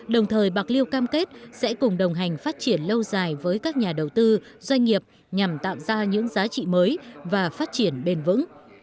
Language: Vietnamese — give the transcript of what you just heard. đồng thời bạc liêu cam kết sẽ cùng đồng hành phát triển lâu dài với các nhà đầu tư doanh nghiệp nhằm tạo ra những giá trị mới và phát triển bền vững